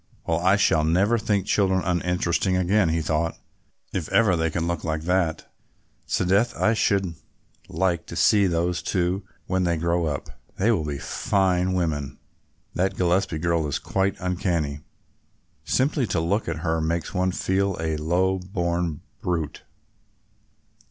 "Well, I shall never think children uninteresting again," he thought, "if ever they can look like that. 'Sdeath, I should like to see those two when they grow up, they will be fine women. That Gillespie girl is quite uncanny, simply to look at her makes one feel a low born brute.